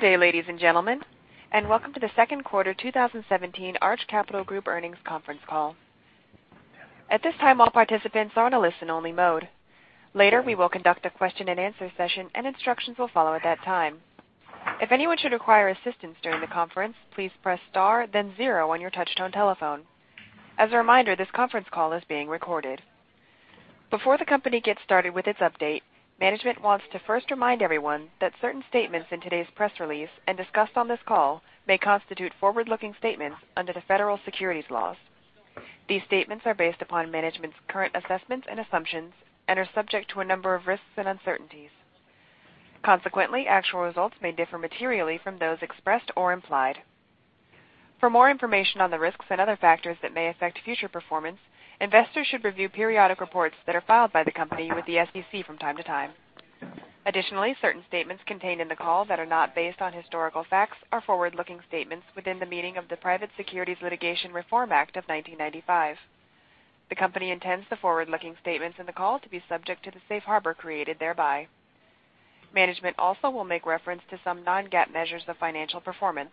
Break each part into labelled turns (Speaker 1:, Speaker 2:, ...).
Speaker 1: Good day, ladies and gentlemen, and welcome to the second quarter 2017 Arch Capital Group earnings conference call. At this time, all participants are in a listen-only mode. Later, we will conduct a question and answer session, and instructions will follow at that time. If anyone should require assistance during the conference, please press star then zero on your touch-tone telephone. As a reminder, this conference call is being recorded. Before the company gets started with its update, management wants to first remind everyone that certain statements in today's press release and discussed on this call may constitute forward-looking statements under the federal securities laws. These statements are based upon management's current assessments and assumptions and are subject to a number of risks and uncertainties. Actual results may differ materially from those expressed or implied. For more information on the risks and other factors that may affect future performance, investors should review periodic reports that are filed by the company with the SEC from time to time. Certain statements contained in the call that are not based on historical facts are forward-looking statements within the meaning of the Private Securities Litigation Reform Act of 1995. The company intends the forward-looking statements in the call to be subject to the safe harbor created thereby. Management also will make reference to some non-GAAP measures of financial performance.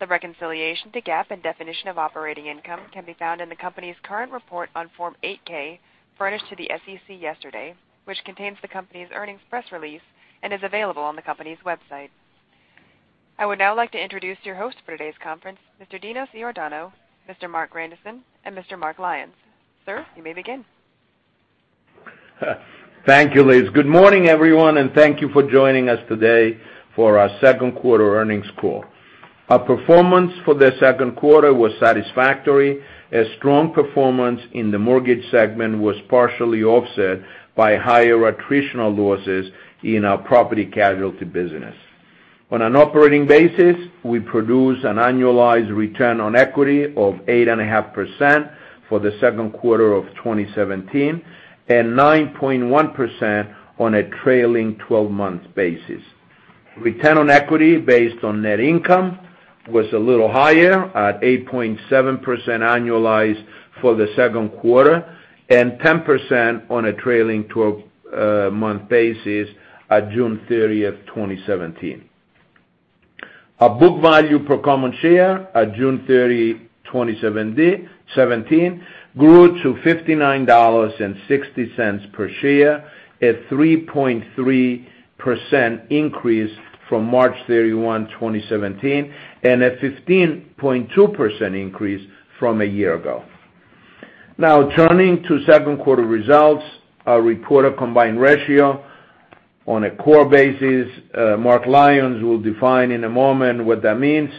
Speaker 1: The reconciliation to GAAP and definition of operating income can be found in the company's current report on Form 8-K furnished to the SEC yesterday, which contains the company's earnings press release and is available on the company's website. I would now like to introduce your host for today's conference, Mr. Dinos Iordanou, Mr. Marc Grandisson, and Mr. Mark Lyons. Sir, you may begin.
Speaker 2: Thank you, Liz. Good morning, everyone, and thank you for joining us today for our second quarter earnings call. Our performance for the second quarter was satisfactory, as strong performance in the mortgage segment was partially offset by higher attritional losses in our property casualty business. On an operating basis, we produced an annualized return on equity of 8.5% for the second quarter of 2017 and 9.1% on a trailing 12-month basis. Return on equity based on net income was a little higher at 8.7% annualized for the second quarter and 10% on a trailing 12-month basis at June 30, 2017. Our book value per common share at June 30, 2017, grew to $59.60 per share, a 3.3% increase from March 31, 2017, and a 15.2% increase from a year ago. Now turning to second quarter results, our reported combined ratio on a core basis, Mark Lyons will define in a moment what that means,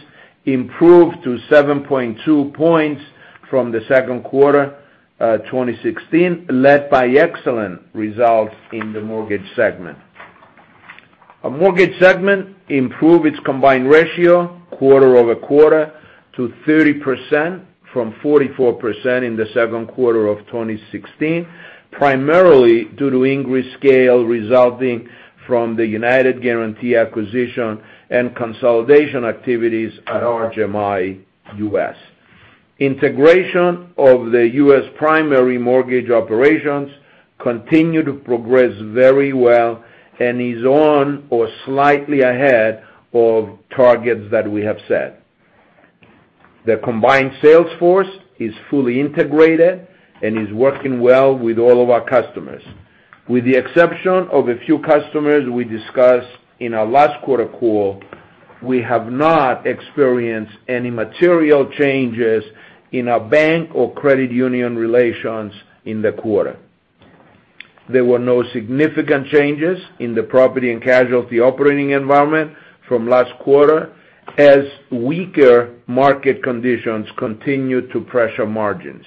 Speaker 2: improved to 7.2 points from the second quarter 2016, led by excellent results in the mortgage segment. Our mortgage segment improved its combined ratio quarter-over-quarter to 30% from 44% in the second quarter of 2016, primarily due to increased scale resulting from the United Guaranty acquisition and consolidation activities at USMI. Integration of the U.S. primary mortgage operations continue to progress very well and is on or slightly ahead of targets that we have set. The combined sales force is fully integrated and is working well with all of our customers. With the exception of a few customers we discussed in our last quarter call, we have not experienced any material changes in our bank or credit union relations in the quarter. There were no significant changes in the property and casualty operating environment from last quarter as weaker market conditions continued to pressure margins.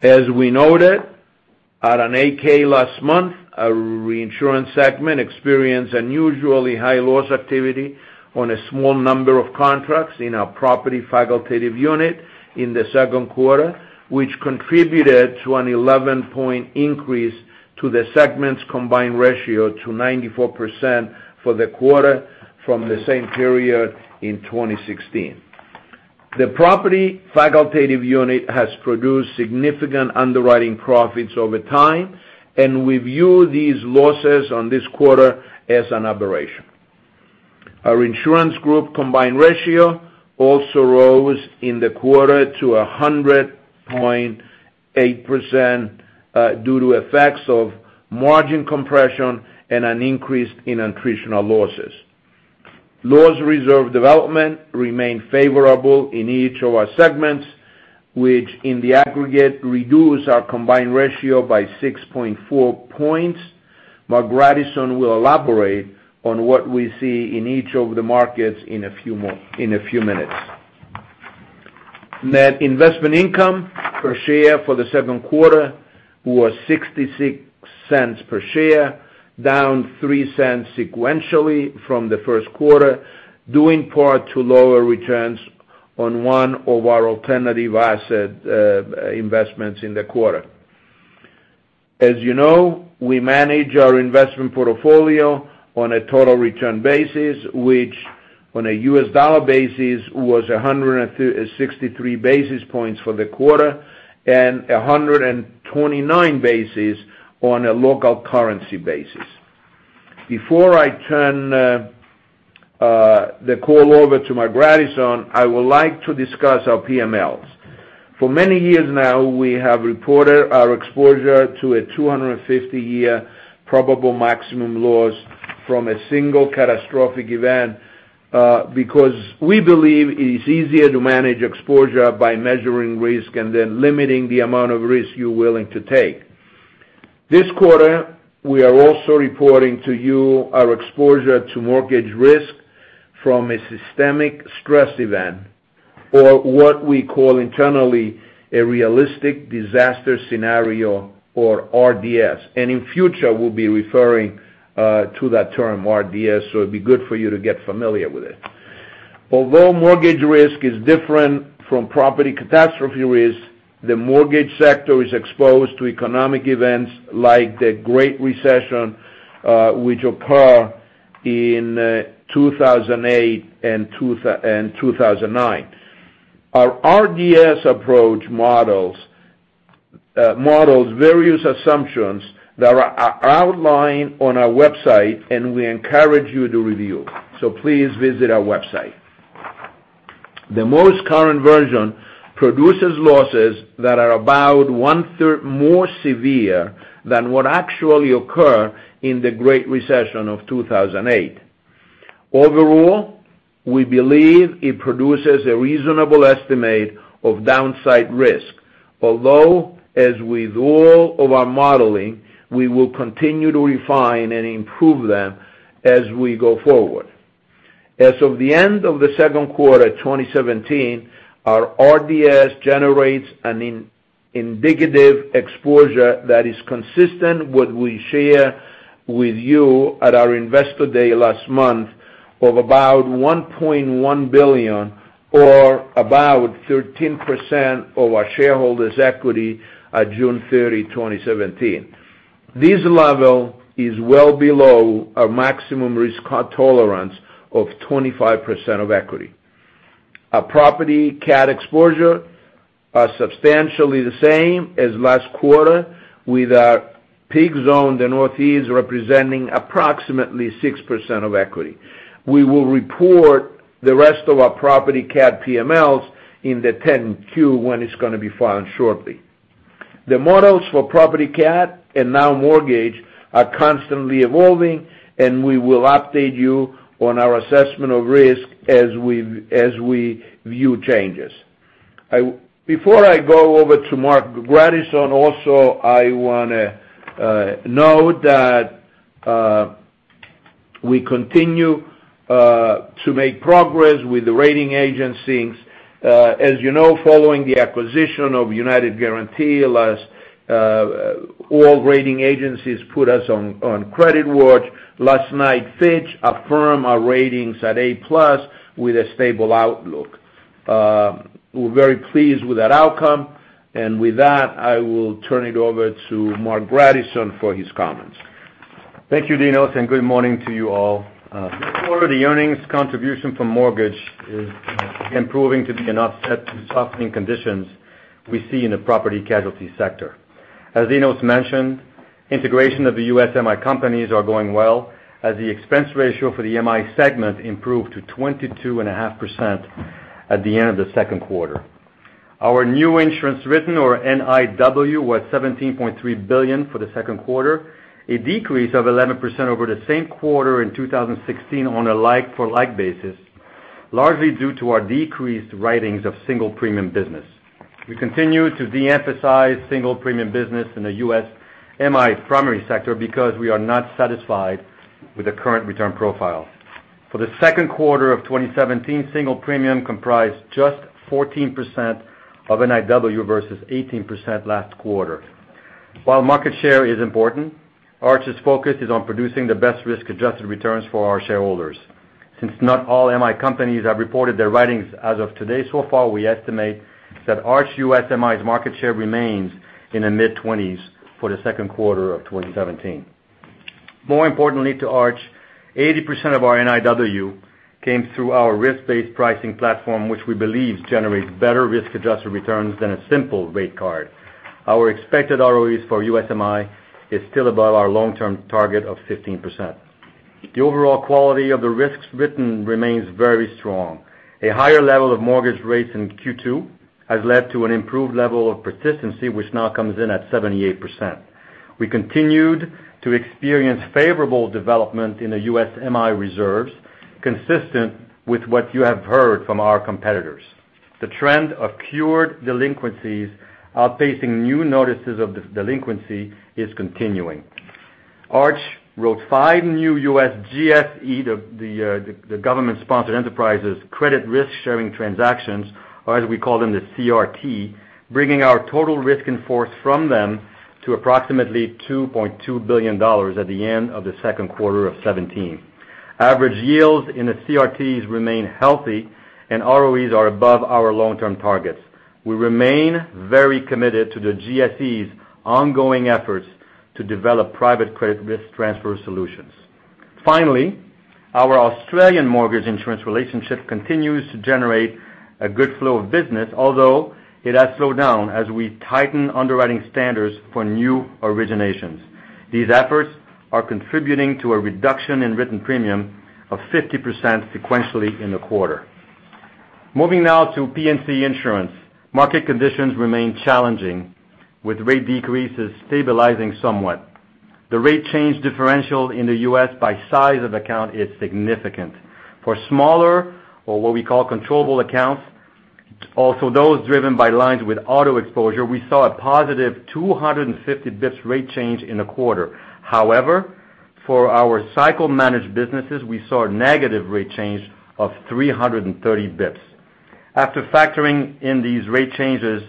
Speaker 2: As we noted at an 8-K last month, our reinsurance segment experienced unusually high loss activity on a small number of contracts in our property facultative unit in the second quarter, which contributed to an 11-point increase to the segment's combined ratio to 94% for the quarter from the same period in 2016. The property facultative unit has produced significant underwriting profits over time, and we view these losses on this quarter as an aberration. Our insurance group combined ratio also rose in the quarter to 100.8% due to effects of margin compression and an increase in attritional losses. Loss reserve development remained favorable in each of our segments, which in the aggregate reduced our combined ratio by 6.4 points. Marc Grandisson will elaborate on what we see in each of the markets in a few minutes. Net investment income per share for the second quarter was $0.66 per share, down $0.03 sequentially from the first quarter, due in part to lower returns on one of our alternative asset investments in the quarter. As you know, we manage our investment portfolio on a total return basis which On a U.S. dollar basis was 163 basis points for the quarter, and 129 basis on a local currency basis. Before I turn the call over to Marc Grandisson, I would like to discuss our PMLs. For many years now, we have reported our exposure to a 250-year probable maximum loss from a single catastrophic event, because we believe it is easier to manage exposure by measuring risk and then limiting the amount of risk you're willing to take. This quarter, we are also reporting to you our exposure to mortgage risk from a systemic stress event, or what we call internally a realistic disaster scenario, or RDS. In future, we'll be referring to that term, RDS, so it'd be good for you to get familiar with it. Although mortgage risk is different from property catastrophe risk, the mortgage sector is exposed to economic events like the Great Recession, which occur in 2008 and 2009. Our RDS approach models various assumptions that are outlined on our website, and we encourage you to review. Please visit our website. The most current version produces losses that are about one-third more severe than what actually occurred in the Great Recession of 2008. Overall, we believe it produces a reasonable estimate of downside risk. As with all of our modeling, we will continue to refine and improve them as we go forward. As of the end of the second quarter 2017, our RDS generates an indicative exposure that is consistent with we share with you at our investor day last month of about $1.1 billion or about 13% of our shareholders equity at June 30, 2017. This level is well below our maximum risk tolerance of 25% of equity. Our property cat exposure are substantially the same as last quarter with our peak zone in the Northeast representing approximately 6% of equity. We will report the rest of our property cat PMLs in the 10-Q when it's going to be filed shortly. The models for property cat, and now mortgage, are constantly evolving, and we will update you on our assessment of risk as we view changes. Before I go over to Marc Grandisson, I want to note that we continue to make progress with the rating agencies. As you know, following the acquisition of United Guaranty, all rating agencies put us on credit watch. Last night, Fitch affirmed our ratings at A+ with a stable outlook. We're very pleased with that outcome. With that, I will turn it over to Marc Grandisson for his comments.
Speaker 3: Thank you, Dinos, and good morning to you all. Before the earnings contribution from mortgage is improving to be an offset to softening conditions we see in the property casualty sector. As Dinos mentioned, integration of the USMI companies are going well, as the expense ratio for the MI segment improved to 22.5% at the end of the second quarter. Our new insurance written, or NIW, was $17.3 billion for the second quarter, a decrease of 11% over the same quarter in 2016 on a like-for-like basis, largely due to our decreased writings of single premium business. We continue to de-emphasize single premium business in the USMI primary sector because we are not satisfied with the current return profile. For the second quarter of 2017, single premium comprised just 14% of NIW versus 18% last quarter. While market share is important, Arch's focus is on producing the best risk-adjusted returns for our shareholders. Since not all MI companies have reported their writings as of today, so far, we estimate that Arch USMI's market share remains in the mid-20s for the second quarter of 2017. More importantly to Arch, 80% of our NIW came through our risk-based pricing platform, which we believe generates better risk-adjusted returns than a simple rate card. Our expected ROEs for USMI is still above our long-term target of 15%. The overall quality of the risks written remains very strong. A higher level of mortgage rates in Q2 has led to an improved level of persistency, which now comes in at 78%. We continued to experience favorable development in the USMI reserves, consistent with what you have heard from our competitors. The trend of cured delinquencies outpacing new notices of delinquency is continuing. Arch wrote five new U.S. GSE, the Government-Sponsored Enterprises credit risk-sharing transactions, or as we call them, the CRT, bringing our total risk in force from them to approximately $2.2 billion at the end of the second quarter of 2017. Average yields in the CRTs remain healthy, and ROEs are above our long-term targets. We remain very committed to the GSE's ongoing efforts to develop private credit risk transfer solutions. Finally, our Australian mortgage insurance relationship continues to generate a good flow of business, although it has slowed down as we tighten underwriting standards for new originations. These efforts are contributing to a reduction in written premium of 50% sequentially in the quarter. Moving now to P&C insurance. Market conditions remain challenging, with rate decreases stabilizing somewhat. The rate change differential in the U.S. by size of account is significant. For smaller, or what we call controllable accounts, also those driven by lines with auto exposure, we saw a positive 250 basis points rate change in the quarter. For our cycle managed businesses, we saw a negative rate change of 330 basis points. After factoring in these rate changes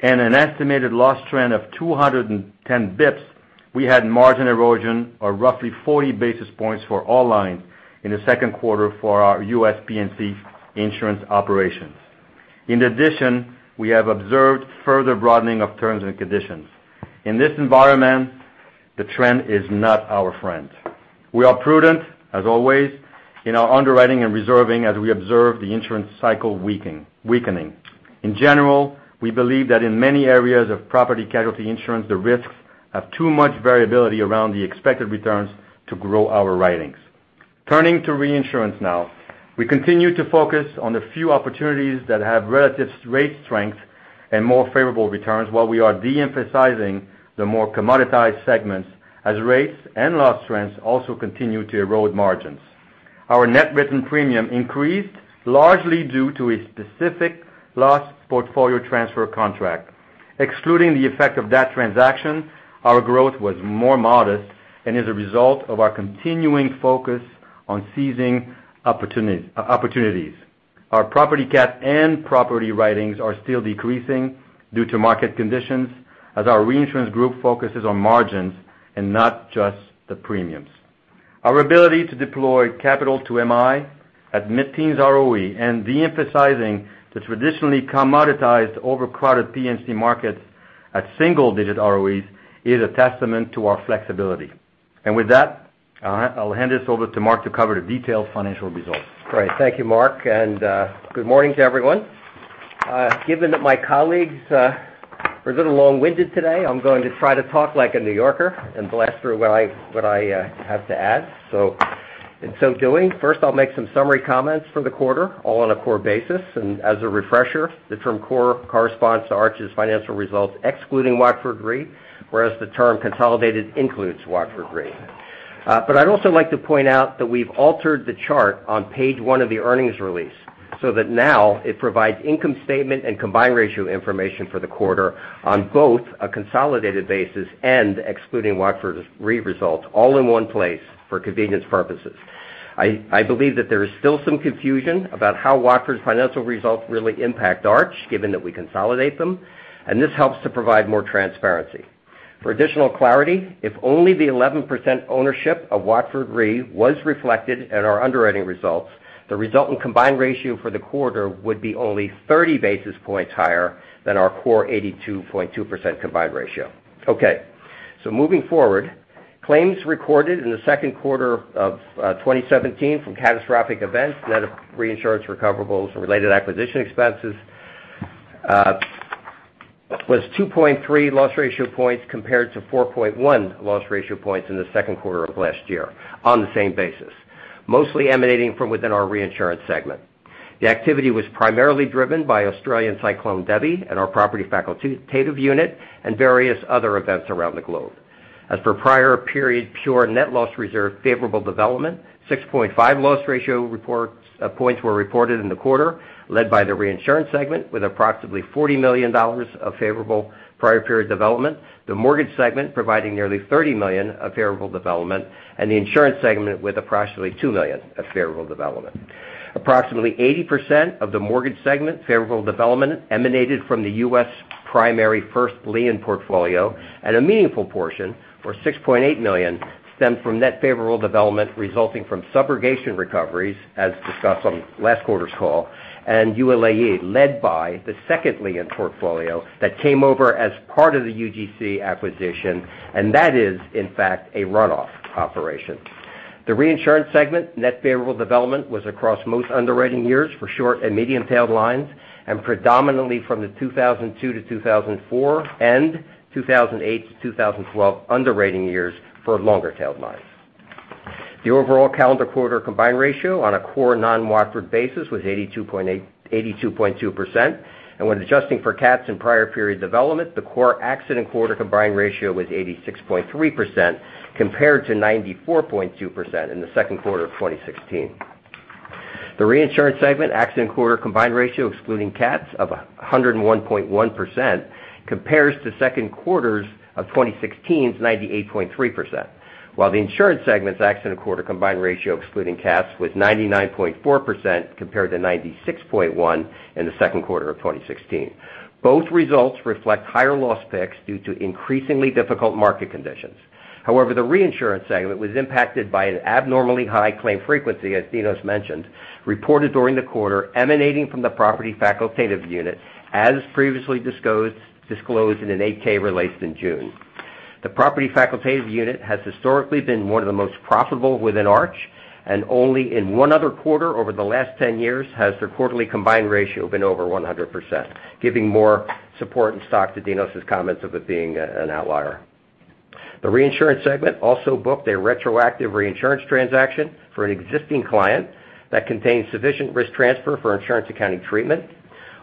Speaker 3: and an estimated loss trend of 210 basis points, we had margin erosion of roughly 40 basis points for all lines in the second quarter for our U.S. P&C insurance operations. In addition, we have observed further broadening of terms and conditions. In this environment, the trend is not our friend. We are prudent, as always, in our underwriting and reserving as we observe the insurance cycle weakening. In general, we believe that in many areas of property casualty insurance, the risks have too much variability around the expected returns to grow our writings. Turning to reinsurance now. We continue to focus on the few opportunities that have relative rate strength and more favorable returns while we are de-emphasizing the more commoditized segments as rates and loss trends also continue to erode margins. Our net written premium increased largely due to a specific loss portfolio transfer contract. Excluding the effect of that transaction, our growth was more modest and is a result of our continuing focus on seizing opportunities. Our property cat and property writings are still decreasing due to market conditions, as our reinsurance group focuses on margins and not just the premiums. Our ability to deploy capital to MI at mid-teens ROE and de-emphasizing the traditionally commoditized overcrowded P&C markets at single-digit ROEs is a testament to our flexibility. With that, I'll hand this over to Mark to cover the detailed financial results.
Speaker 4: Great. Thank you, Dinos, and good morning to everyone. Given that my colleagues are a little long-winded today, I'm going to try to talk like a New Yorker and blast through what I have to add. In so doing, first I'll make some summary comments for the quarter, all on a core basis. As a refresher, the term core corresponds to Arch's financial results excluding Watford Re, whereas the term consolidated includes Watford Re. I'd also like to point out that we've altered the chart on page one of the earnings release so that now it provides income statement and combined ratio information for the quarter on both a consolidated basis and excluding Watford Re results all in one place for convenience purposes. I believe that there is still some confusion about how Watford's financial results really impact Arch, given that we consolidate them, and this helps to provide more transparency. For additional clarity, if only the 11% ownership of Watford Re was reflected at our underwriting results, the resulting combined ratio for the quarter would be only 30 basis points higher than our core 82.2% combined ratio. Moving forward. Claims recorded in the second quarter of 2017 from catastrophic events, net of reinsurance recoverables and related acquisition expenses was 2.3 loss ratio points compared to 4.1 loss ratio points in the second quarter of last year on the same basis, mostly emanating from within our reinsurance segment. The activity was primarily driven by Australian Cyclone Debbie and our property facultative unit and various other events around the globe. Prior period pure net loss reserve favorable development, 6.5 loss ratio points were reported in the quarter, led by the reinsurance segment with approximately $40 million of favorable prior period development, the mortgage segment providing nearly $30 million of favorable development, and the insurance segment with approximately $2 million of favorable development. Approximately 80% of the mortgage segment favorable development emanated from the U.S. primary first lien portfolio and a meaningful portion, or $6.8 million, stemmed from net favorable development resulting from subrogation recoveries, as discussed on last quarter's call, and ULAE, led by the second lien portfolio that came over as part of the UGC acquisition, and that is in fact a runoff operation. The reinsurance segment net favorable development was across most underwriting years for short and medium-tailed lines, and predominantly from the 2002 to 2004 and 2008 to 2012 underwriting years for longer-tailed lines. The overall calendar quarter combined ratio on a core non-Watford basis was 82.2%, and when adjusting for cats and prior period development, the core accident quarter combined ratio was 86.3% compared to 94.2% in the second quarter of 2016. The reinsurance segment accident quarter combined ratio excluding cats of 101.1% compares to second quarter of 2016's 98.3%, while the insurance segment's accident quarter combined ratio excluding cats was 99.4% compared to 96.1% in the second quarter of 2016. Both results reflect higher loss picks due to increasingly difficult market conditions. The reinsurance segment was impacted by an abnormally high claim frequency, as Dinos mentioned, reported during the quarter emanating from the property facultative unit, as previously disclosed in an 8-K released in June. The property facultative unit has historically been one of the most profitable within Arch, and only in one other quarter over the last 10 years has their quarterly combined ratio been over 100%, giving more support and stock to Dinos' comments of it being an outlier. The reinsurance segment also booked a retroactive reinsurance transaction for an existing client that contains sufficient risk transfer for insurance accounting treatment.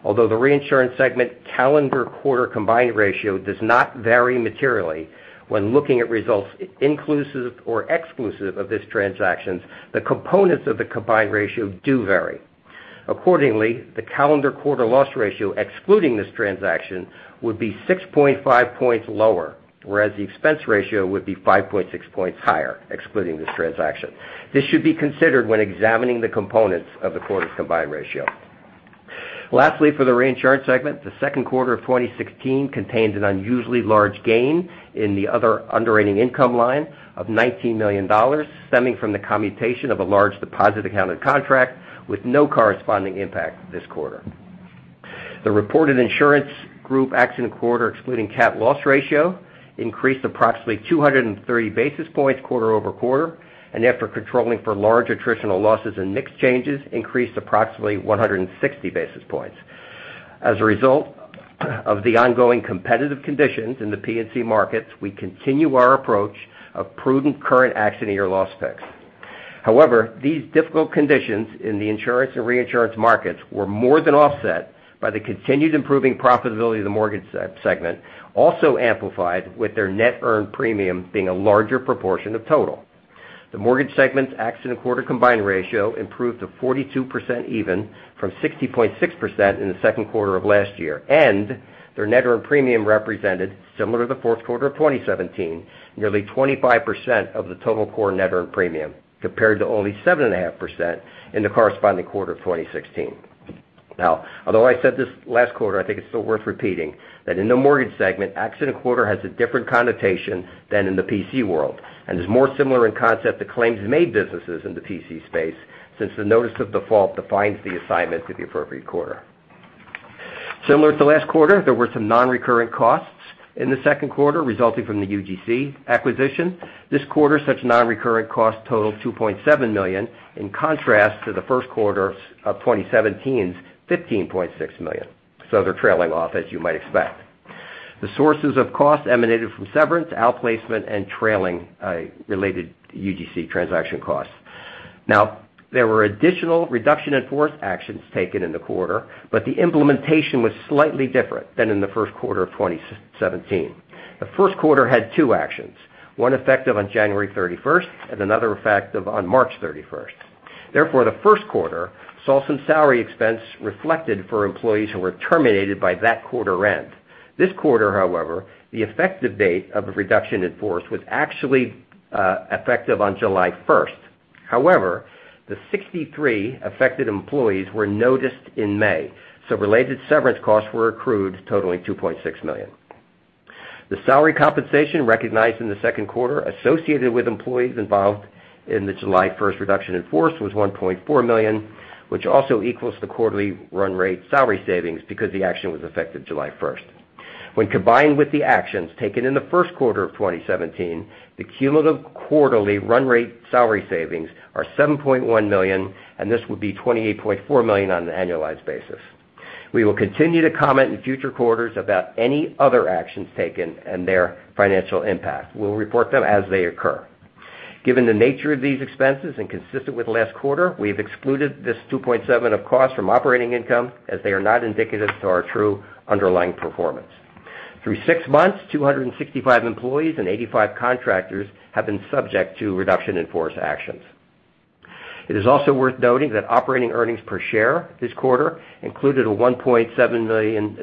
Speaker 4: Although the reinsurance segment calendar quarter combined ratio does not vary materially when looking at results inclusive or exclusive of this transaction, the components of the combined ratio do vary. Accordingly, the calendar quarter loss ratio excluding this transaction would be 6.5 points lower, whereas the expense ratio would be 5.6 points higher, excluding this transaction. This should be considered when examining the components of the quarter's combined ratio. Lastly, for the reinsurance segment, the second quarter of 2016 contained an unusually large gain in the other underwriting income line of $19 million, stemming from the commutation of a large deposit accounted contract with no corresponding impact this quarter. The reported insurance group accident quarter excluding cat loss ratio increased approximately 230 basis points quarter-over-quarter, and after controlling for large attritional losses and mix changes, increased approximately 160 basis points. As a result of the ongoing competitive conditions in the P&C markets, we continue our approach of prudent current accident year loss picks. These difficult conditions in the insurance and reinsurance markets were more than offset by the continued improving profitability of the mortgage segment, also amplified with their net earned premium being a larger proportion of total. The mortgage segment's accident quarter combined ratio improved to 42% even from 60.6% in the second quarter of last year, and their net earned premium represented, similar to the first quarter of 2017, nearly 25% of the total core net earned premium, compared to only 7.5% in the corresponding quarter of 2016. Although I said this last quarter, I think it's still worth repeating, that in the mortgage segment, accident quarter has a different connotation than in the P&C world, and is more similar in concept to claims-made businesses in the P&C space, since the notice of default defines the assignment to the appropriate quarter. Similar to last quarter, there were some non-recurring costs in the second quarter resulting from the UGC acquisition. This quarter, such non-recurring costs totaled $2.7 million, in contrast to the first quarter of 2017's $15.6 million. They're trailing off, as you might expect. The sources of cost emanated from severance, outplacement, and trailing related UGC transaction costs. There were additional reduction in force actions taken in the quarter, but the implementation was slightly different than in the first quarter of 2017. The first quarter had two actions, one effective on January 31st and another effective on March 31st. Therefore, the first quarter saw some salary expense reflected for employees who were terminated by that quarter end. This quarter, however, the effective date of the reduction in force was actually effective on July 1st. The 63 affected employees were noticed in May, so related severance costs were accrued, totaling $2.6 million. The salary compensation recognized in the second quarter associated with employees involved in the July 1st reduction in force was $1.4 million, which also equals the quarterly run rate salary savings because the action was effective July 1st. When combined with the actions taken in the first quarter of 2017, the cumulative quarterly run rate salary savings are $7.1 million, and this would be $28.4 million on an annualized basis. We will continue to comment in future quarters about any other actions taken and their financial impact. We'll report them as they occur. Given the nature of these expenses and consistent with last quarter, we've excluded this $2.7 of cost from operating income as they are not indicative to our true underlying performance. Through six months, 265 employees and 85 contractors have been subject to reduction in force actions. It is also worth noting that operating earnings per share this quarter included a $1.7 million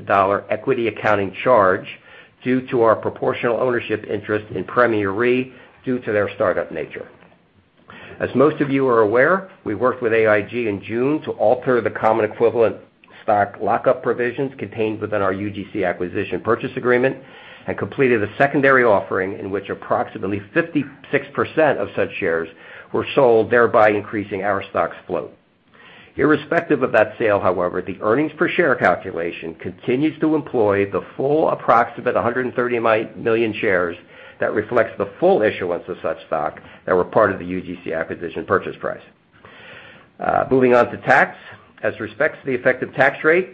Speaker 4: equity accounting charge due to our proportional ownership interest in Premier Re due to their startup nature. As most of you are aware, we worked with AIG in June to alter the common equivalent stock lockup provisions contained within our UGC acquisition purchase agreement and completed a secondary offering in which approximately 56% of such shares were sold, thereby increasing our stock's float. Irrespective of that sale, however, the earnings per share calculation continues to employ the full approximate 130 million shares that reflects the full issuance of such stock that were part of the UGC acquisition purchase price. Moving on to tax. As respects to the effective tax rate,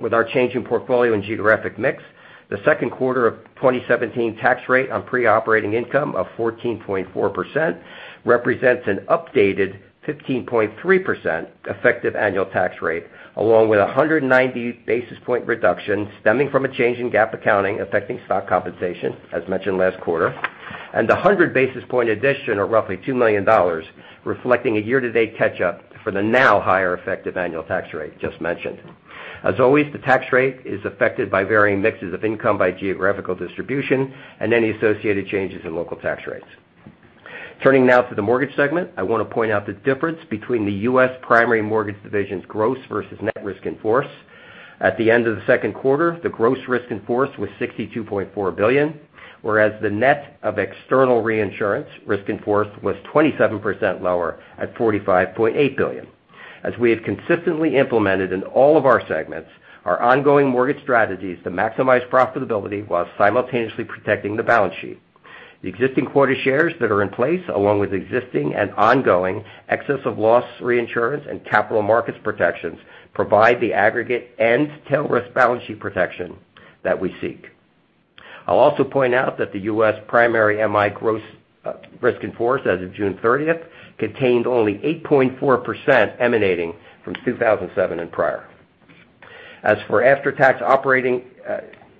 Speaker 4: with our change in portfolio and geographic mix, the second quarter of 2017 tax rate on pre-operating income of 14.4% represents an updated 15.3% effective annual tax rate, along with 190 basis point reduction stemming from a change in GAAP accounting affecting stock compensation, as mentioned last quarter, and 100 basis point addition of roughly $2 million reflecting a year-to-date catch-up for the now higher effective annual tax rate just mentioned. As always, the tax rate is affected by varying mixes of income by geographical distribution and any associated changes in local tax rates. Turning now to the mortgage segment, I want to point out the difference between the U.S. primary mortgage division's gross versus net risk in force. At the end of the second quarter, the gross risk in force was $62.4 billion, whereas the net of external reinsurance risk in force was 27% lower at $45.8 billion. As we have consistently implemented in all of our segments our ongoing mortgage strategies to maximize profitability while simultaneously protecting the balance sheet. The existing quota shares that are in place, along with existing and ongoing excess of loss reinsurance and capital markets protections, provide the aggregate and tail risk balance sheet protection that we seek. I'll also point out that the U.S. primary MI gross risk in force as of June 30th contained only 8.4% emanating from 2007 and prior. As for after-tax operating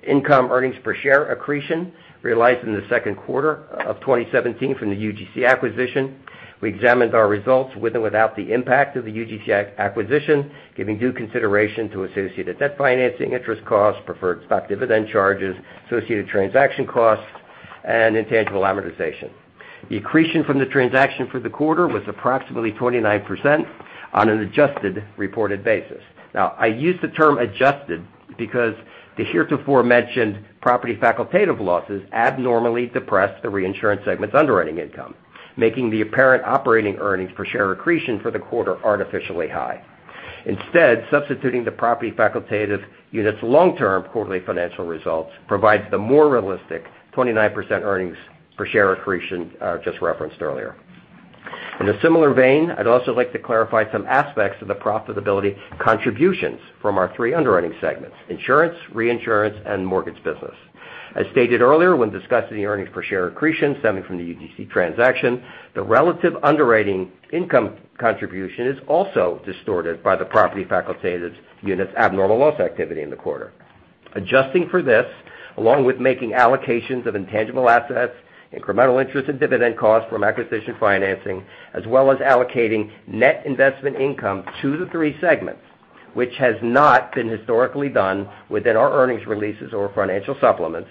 Speaker 4: income earnings per share accretion realized in the second quarter of 2017 from the UGC acquisition, we examined our results with and without the impact of the UGC acquisition, giving due consideration to associated debt financing, interest costs, preferred stock dividend charges, associated transaction costs, and intangible amortization. The accretion from the transaction for the quarter was approximately 29% on an adjusted reported basis. Now, I use the term adjusted because the heretofore mentioned property facultative losses abnormally depressed the reinsurance segment's underwriting income, making the apparent operating earnings per share accretion for the quarter artificially high. Instead, substituting the property facultative unit's long-term quarterly financial results provides the more realistic 29% earnings per share accretion I just referenced earlier. In a similar vein, I'd also like to clarify some aspects of the profitability contributions from our three underwriting segments: insurance, reinsurance, and mortgage business. As stated earlier, when discussing the earnings per share accretion stemming from the UGC transaction, the relative underwriting income contribution is also distorted by the property facultative unit's abnormal loss activity in the quarter. Adjusting for this, along with making allocations of intangible assets, incremental interest and dividend costs from acquisition financing, as well as allocating net investment income to the three segments, which has not been historically done within our earnings releases or financial supplements,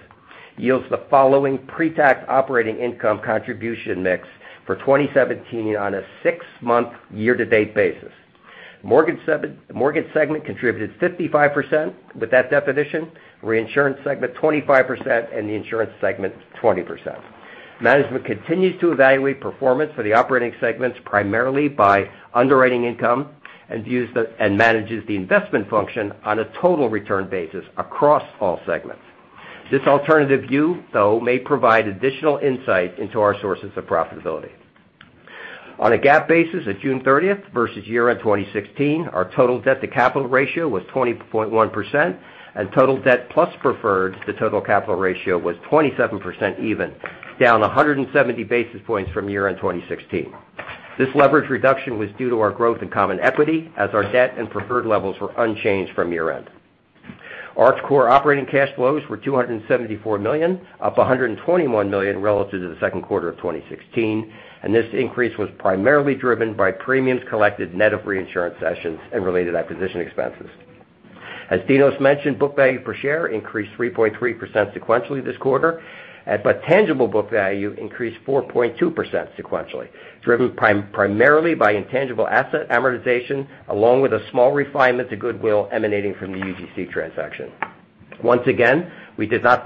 Speaker 4: yields the following pre-tax operating income contribution mix for 2017 on a six-month year-to-date basis. Mortgage segment contributed 55% with that definition, reinsurance segment 25%, and the insurance segment 20%. Management continues to evaluate performance for the operating segments primarily by underwriting income and manages the investment function on a total return basis across all segments. This alternative view, though, may provide additional insight into our sources of profitability. On a GAAP basis at June 30th versus year-end 2016, our total debt-to-capital ratio was 20.1% and total debt plus preferred to total capital ratio was 27% even, down 170 basis points from year-end 2016. This leverage reduction was due to our growth in common equity as our debt and preferred levels were unchanged from year-end. Arch Core operating cash flows were $274 million, up $121 million relative to the second quarter of 2016. This increase was primarily driven by premiums collected net of reinsurance cessions and related acquisition expenses. As Dinos mentioned, book value per share increased 3.3% sequentially this quarter. Tangible book value increased 4.2% sequentially, driven primarily by intangible asset amortization, along with a small refinement to goodwill emanating from the UGC transaction. Once again, we did not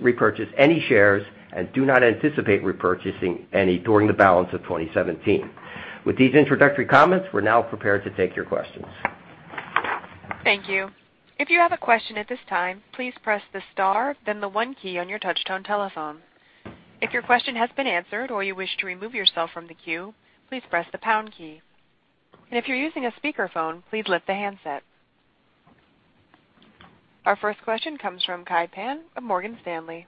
Speaker 4: repurchase any shares and do not anticipate repurchasing any during the balance of 2017. With these introductory comments, we're now prepared to take your questions.
Speaker 1: Thank you. If you have a question at this time, please press the star, then the one key on your touchtone telephone. If your question has been answered or you wish to remove yourself from the queue, please press the pound key. If you're using a speakerphone, please lift the handset. Our first question comes from Kai Pan of Morgan Stanley.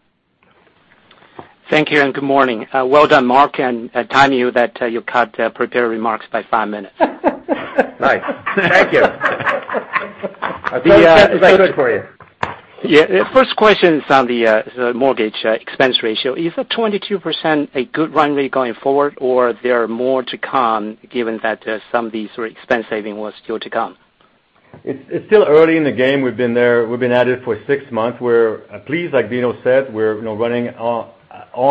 Speaker 5: Thank you and good morning. Well done, Marc, and timely that you cut prepared remarks by five minutes.
Speaker 4: Nice. Thank you. Good for you.
Speaker 5: Yeah. First question is on the mortgage expense ratio. Is the 22% a good run rate going forward, or there are more to come given that some of these expense saving was still to come?
Speaker 3: It's still early in the game. We've been at it for six months. We're pleased, like Dinos said, we're running on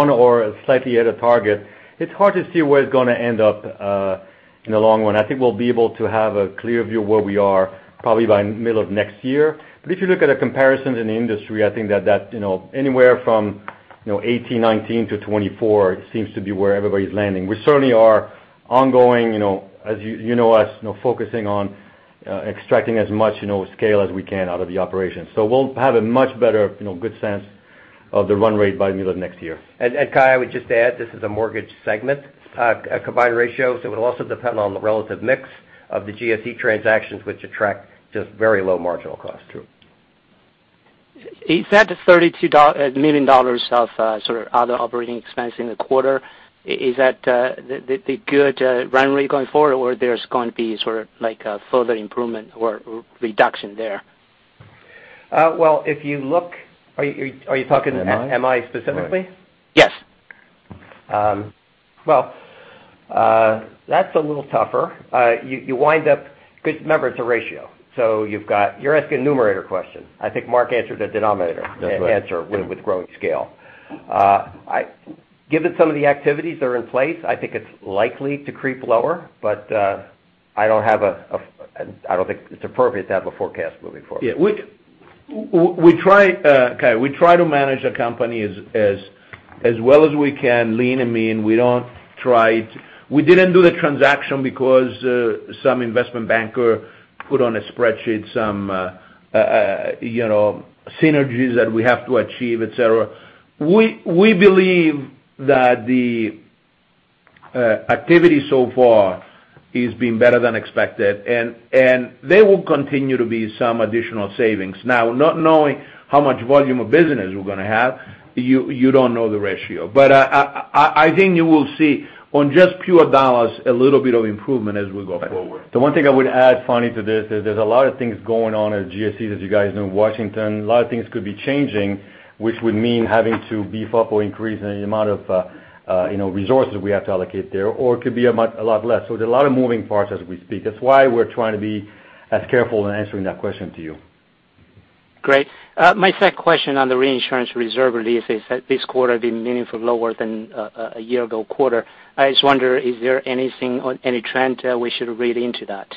Speaker 3: or slightly at a target. It's hard to see where it's going to end up in the long run. I think we'll be able to have a clear view of where we are probably by middle of next year. If you look at the comparisons in the industry, I think that anywhere from 18%, 19% to 24% seems to be where everybody's landing. We certainly are ongoing, as you know us, focusing on extracting as much scale as we can out of the operation. We'll have a much better good sense of the run rate by middle of next year.
Speaker 4: Kai, I would just add, this is a mortgage segment, combined ratio, so it will also depend on the relative mix of the GSE transactions which attract just very low marginal cost.
Speaker 3: True.
Speaker 5: Is that $32 million of sort of other operating expense in the quarter, is that the good run rate going forward or there's going to be sort of like a further improvement or reduction there?
Speaker 4: Well, if you look, are you talking MI specifically?
Speaker 5: Yes.
Speaker 4: Well, that's a little tougher. Remember, it's a ratio. You're asking a numerator question. I think Marc answered a denominator.
Speaker 3: That's right
Speaker 4: answer with growing scale. Given some of the activities that are in place, I think it's likely to creep lower, but I don't think it's appropriate to have a forecast moving forward.
Speaker 2: We try to manage the company as well as we can, lean and mean. We didn't do the transaction because some investment banker put on a spreadsheet some synergies that we have to achieve, et cetera. We believe that the activity so far is being better than expected, and there will continue to be some additional savings. Now, not knowing how much volume of business we're going to have, you don't know the ratio. I think you will see on just pure dollars, a little bit of improvement as we go forward.
Speaker 3: The one thing I would add finally to this is there's a lot of things going on at GSE, as you guys know, in Washington. A lot of things could be changing, which would mean having to beef up or increase the amount of resources we have to allocate there, or it could be a lot less. There are a lot of moving parts as we speak. That's why we're trying to be as careful in answering that question to you.
Speaker 5: Great. My second question on the reinsurance reserve release is that this quarter been meaningfully lower than a year-ago quarter. I just wonder, is there anything or any trend we should read into that?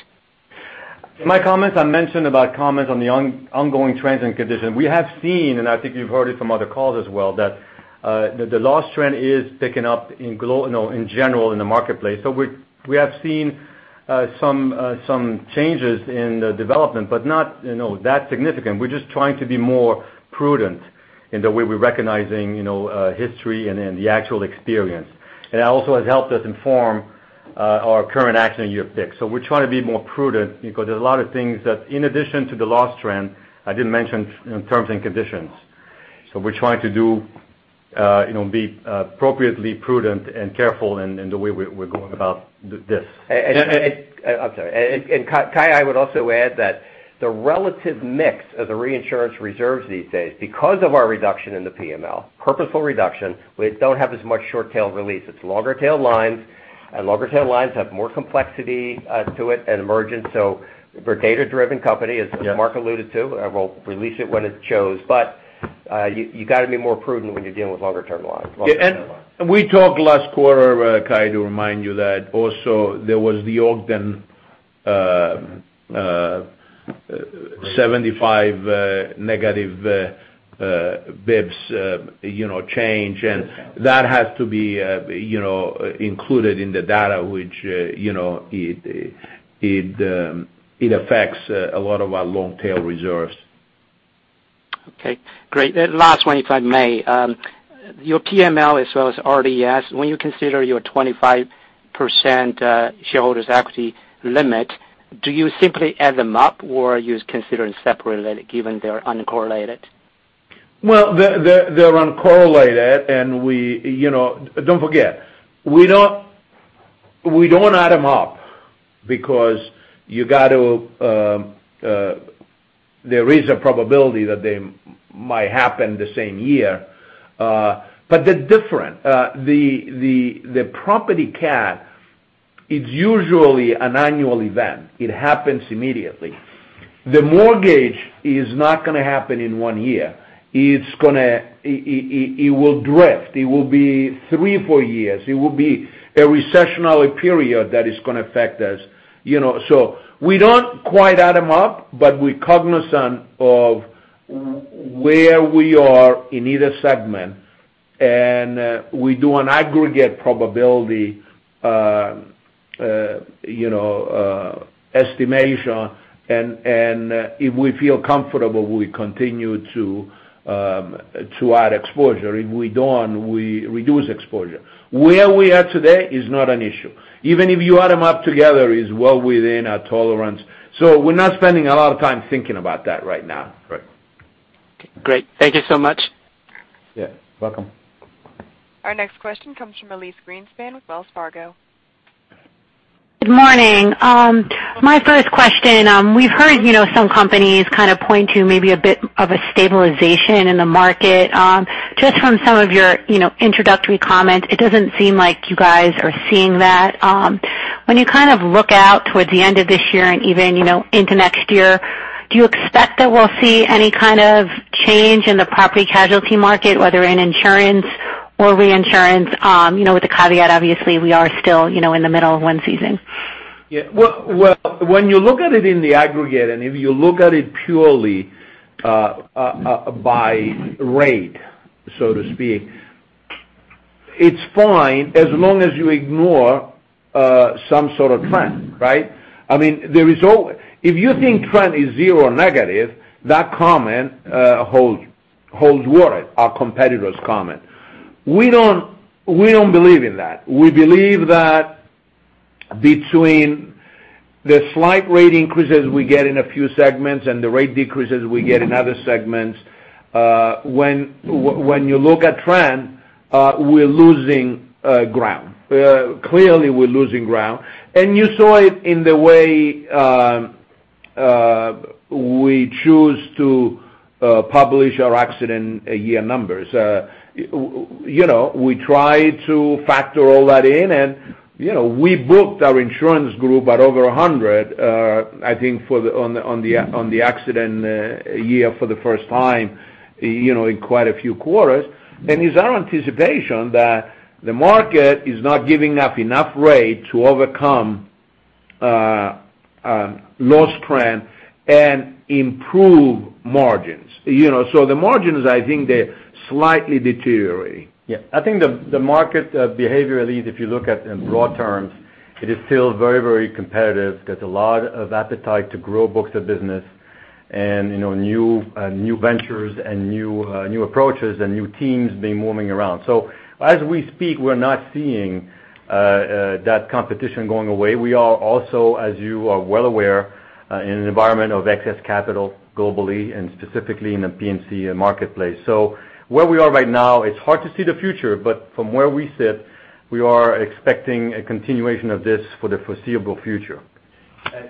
Speaker 3: My comments I mentioned about comments on the ongoing trends and conditions. We have seen, and I think you've heard it from other calls as well, that the loss trend is picking up in general in the marketplace. We have seen some changes in the development, but not that significant. We're just trying to be more prudent in the way we're recognizing history and the actual experience. That also has helped us inform our current accident year picks. We're trying to be more prudent because there's a lot of things that in addition to the loss trend, I didn't mention terms and conditions. We're trying to be appropriately prudent and careful in the way we're going about this.
Speaker 4: Kai, I would also add that the relative mix of the reinsurance reserves these days, because of our reduction in the PML, purposeful reduction, we don't have as much short tail release. It's longer tail lines, and longer tail lines have more complexity to it and emergence. We're a data-driven company, as Mark alluded to. We'll release it when it shows. You got to be more prudent when you're dealing with longer term lines.
Speaker 2: We talked last quarter, Kai, to remind you that also there was the Ogden 75 negative bps change, and that has to be included in the data, which it affects a lot of our long tail reserves.
Speaker 5: Okay, great. Last one, if I may. Your PML as well as RDS, when you consider your 25% shareholders equity limit, do you simply add them up, or are you considering separately given they're uncorrelated?
Speaker 2: Well, they're uncorrelated, don't forget, we don't add them up because there is a probability that they might happen the same year. They're different. The property cat is usually an annual event. It happens immediately. The mortgage is not going to happen in one year. It will drift. It will be three, four years. It will be a recessional period that is going to affect us. We don't quite add them up, but we're cognizant of where we are in either segment, we do an aggregate probability estimation, and if we feel comfortable, we continue to add exposure. If we don't, we reduce exposure. Where we are today is not an issue. Even if you add them up together, it's well within our tolerance. We're not spending a lot of time thinking about that right now.
Speaker 3: Right.
Speaker 5: Great. Thank you so much.
Speaker 2: Yeah, welcome.
Speaker 1: Our next question comes from Elyse Greenspan with Wells Fargo.
Speaker 6: Good morning. My first question, we've heard some companies kind of point to maybe a bit of a stabilization in the market. Just from some of your introductory comments, it doesn't seem like you guys are seeing that. When you kind of look out towards the end of this year and even into next year, do you expect that we'll see any kind of change in the property casualty market, whether in insurance or reinsurance? With the caveat, obviously, we are still in the middle of one season.
Speaker 2: Yeah. Well, when you look at it in the aggregate, if you look at it purely by rate, so to speak, it's fine as long as you ignore some sort of trend, right? If you think trend is zero or negative, that comment holds water, our competitor's comment. We don't believe in that. We believe that between the slight rate increases we get in a few segments and the rate decreases we get in other segments, when you look at trend, we're losing ground. Clearly we're losing ground. You saw it in the way we choose to publish our accident year numbers. We try to factor all that in, we booked our insurance group at over 100, I think on the accident year for the first time in quite a few quarters. It's our anticipation that the market is not giving up enough rate to overcome loss trend and improve margins. The margins, I think they're slightly deteriorating.
Speaker 3: Yeah. I think the market behavior, at least if you look at in broad terms, it is still very competitive. There's a lot of appetite to grow books of business and new ventures and new approaches and new teams being moving around. As we speak, we're not seeing that competition going away. We are also, as you are well aware, in an environment of excess capital globally and specifically in the P&C marketplace. Where we are right now, it's hard to see the future, but from where we sit, we are expecting a continuation of this for the foreseeable future.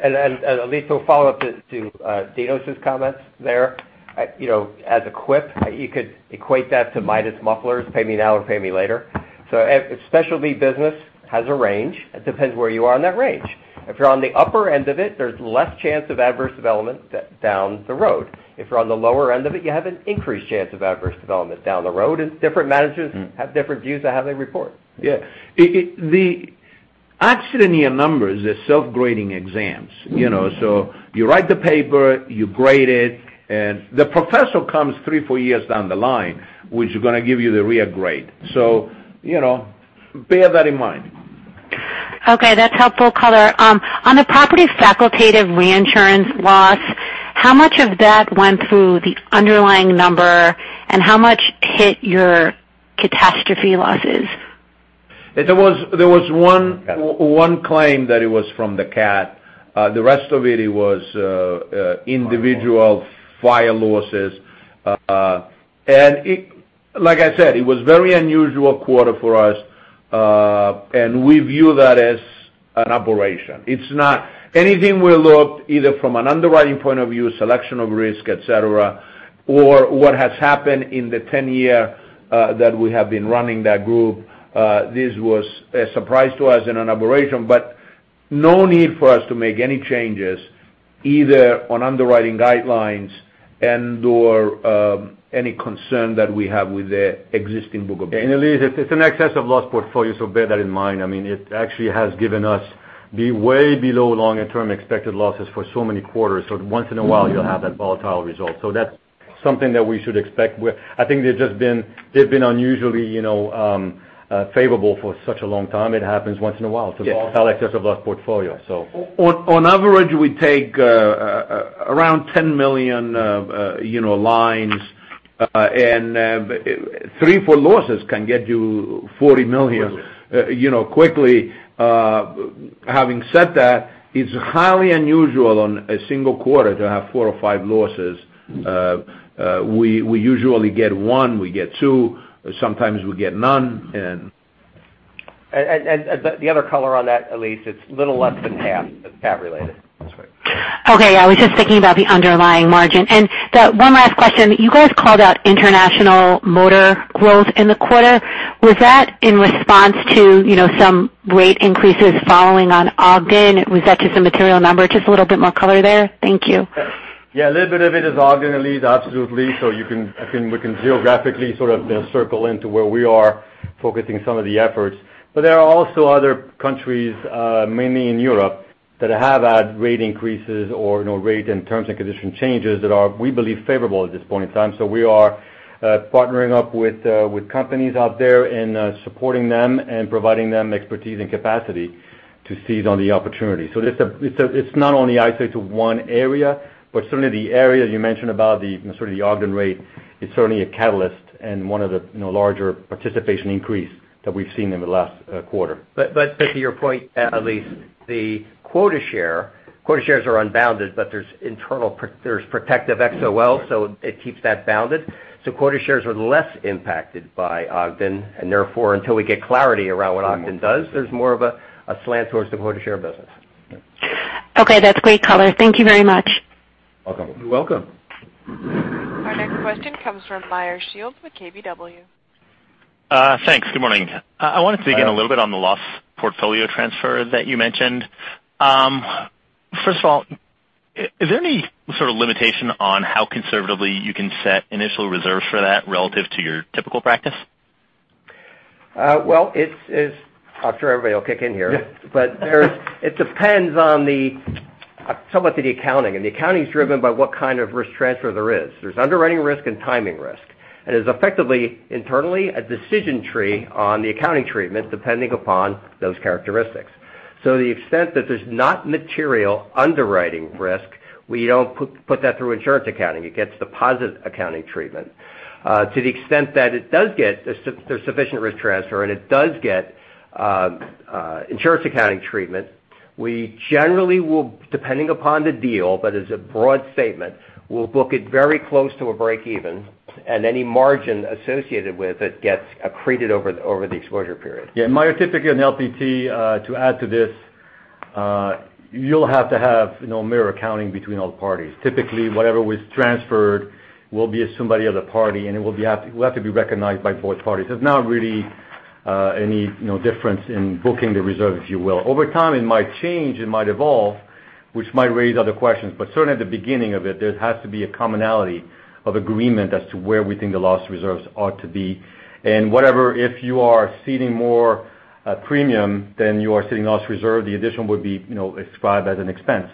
Speaker 4: Elyse, to follow up to Dinos' comments there, as a quip, you could equate that to Midas Mufflers, pay me now or pay me later. Specialty business has a range. It depends where you are in that range. If you're on the upper end of it, there's less chance of adverse development down the road. If you're on the lower end of it, you have an increased chance of adverse development down the road, and different managers have different views to have a report.
Speaker 2: Yeah. The accident year numbers are self-grading exams. You write the paper, you grade it, and the professor comes three, four years down the line, which is going to give you the real grade. Bear that in mind.
Speaker 6: Okay, that's helpful color. On the property facultative reinsurance loss, how much of that went through the underlying number, and how much hit your catastrophe losses?
Speaker 2: There was one claim that it was from the cat. The rest of it was individual fire losses. Like I said, it was very unusual quarter for us, and we view that as an aberration. It's not anything we looked, either from an underwriting point of view, selection of risk, et cetera, or what has happened in the 10-year that we have been running that group. This was a surprise to us and an aberration, but no need for us to make any changes either on underwriting guidelines and/or any concern that we have with the existing book of-
Speaker 3: Elyse, it's an excess of loss portfolio, so bear that in mind. It actually has given us the way below long and term expected losses for so many quarters. Once in a while you'll have that volatile result. That's something that we should expect with. I think they've been unusually favorable for such a long time. It happens once in a while. It's a volatile excess of loss portfolio.
Speaker 2: On average, we take around $10 million lines, and three, four losses can get you $40 million quickly. Having said that, it's highly unusual on a single quarter to have four or five losses. We usually get one, we get two, sometimes we get none.
Speaker 4: The other color on that, Elyse, it's little less than half that's cat related.
Speaker 3: That's right.
Speaker 6: Okay. Yeah, I was just thinking about the underlying margin. One last question. You guys called out international motor growth in the quarter. Was that in response to some rate increases following on Ogden? Was that just a material number? Just a little bit more color there. Thank you.
Speaker 3: Yeah, a little bit of it is Ogden, Elyse, absolutely. We can geographically sort of circle into where we are focusing some of the efforts. There are also other countries, mainly in Europe, that have had rate increases or rate and terms and condition changes that are, we believe, favorable at this point in time. We are partnering up with companies out there and supporting them and providing them expertise and capacity to seize on the opportunity. It's not only isolated to one area, but certainly the area you mentioned about the sort of the Ogden rate is certainly a catalyst and one of the larger participation increase that we've seen in the last quarter.
Speaker 4: To your point, Elyse, the quota share, quota shares are unbounded, but there's protective XOL, it keeps that bounded. Quota shares are less impacted by Ogden, therefore, until we get clarity around what Ogden does, there's more of a slant towards the quota share business.
Speaker 6: Okay, that's great color. Thank you very much.
Speaker 3: You're welcome.
Speaker 4: You're welcome.
Speaker 1: Our next question comes from Meyer Shields with KBW.
Speaker 7: Thanks. Good morning. I wanted to dig in a little bit on the loss portfolio transfer that you mentioned. First of all, is there any sort of limitation on how conservatively you can set initial reserves for that relative to your typical practice?
Speaker 4: Well, I'm sure everybody will kick in here.
Speaker 3: Yeah.
Speaker 4: It depends on the somewhat to the accounting, and the accounting is driven by what kind of risk transfer there is. There's underwriting risk and timing risk, is effectively internally a decision tree on the accounting treatment depending upon those characteristics. The extent that there's not material underwriting risk, we don't put that through insurance accounting. It gets deposit accounting treatment. To the extent that it does get the sufficient risk transfer and it does get insurance accounting treatment, we generally will, depending upon the deal, but as a broad statement, we'll book it very close to a break even, and any margin associated with it gets accreted over the exposure period.
Speaker 3: Yeah. Meyer, typically on LPT, to add to this, you'll have to have mirror accounting between all the parties. Typically, whatever was transferred will be at somebody at a party, and it will have to be recognized by both parties. There's not really any difference in booking the reserve, if you will. Over time, it might change, it might evolve. Which might raise other questions, but certainly at the beginning of it, there has to be a commonality of agreement as to where we think the loss reserves ought to be. Whatever, if you are ceding more premium, then you are ceding loss reserve. The addition would be ascribed as an expense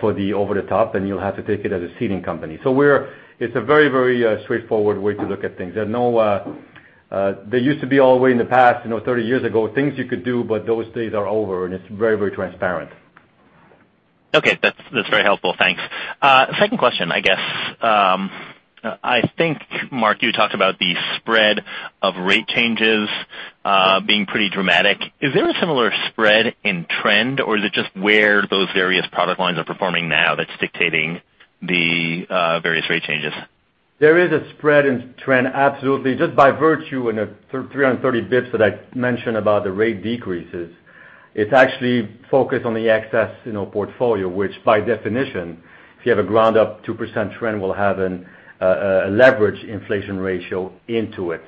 Speaker 3: for the over the top, and you'll have to take it as a ceding company. It's a very straightforward way to look at things. There used to be a way in the past, 30 years ago, things you could do. Those days are over. It's very transparent.
Speaker 7: Okay. That's very helpful. Thanks. Second question, I guess. I think, Mark, you talked about the spread of rate changes being pretty dramatic. Is there a similar spread in trend, or is it just where those various product lines are performing now that's dictating the various rate changes?
Speaker 3: There is a spread in trend, absolutely. Just by virtue in the 330 basis points that I mentioned about the rate decreases, it's actually focused on the excess portfolio, which by definition, if you have a ground-up 2% trend, will have a leverage inflation ratio into it.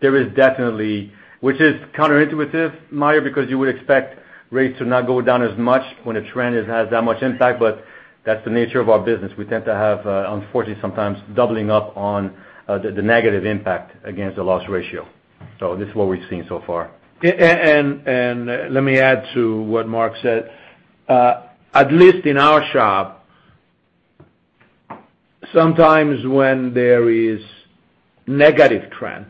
Speaker 3: There is definitely, which is counterintuitive, Meyer, because you would expect rates to not go down as much when a trend has that much impact. That's the nature of our business. We tend to have, unfortunately, sometimes doubling up on the negative impact against the loss ratio. This is what we've seen so far.
Speaker 2: Let me add to what Mark said. At least in our shop, sometimes when there is negative trend,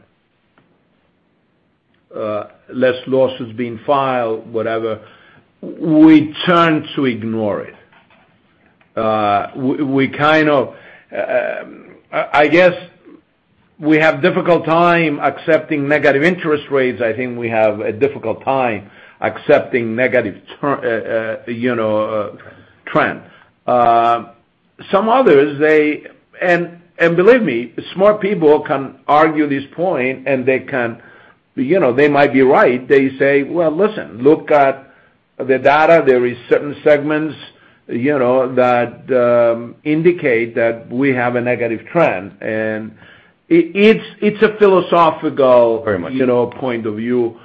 Speaker 2: less losses being filed, whatever, we tend to ignore it. I guess we have difficult time accepting negative interest rates. I think we have a difficult time accepting negative trend. Some others, believe me, smart people can argue this point and they might be right. They say, "Well, listen, look at the data. There is certain segments that indicate that we have a negative trend." It's a philosophical-
Speaker 7: Very much point of view.